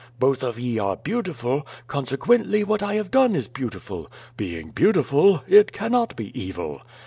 Both of ye are beautiful, consequently what I have done is beautiful. Being beautiful, it cannot be evil.